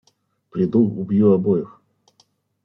Приду - убью обоих!